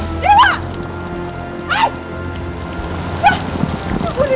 nanti gue bakal jalanin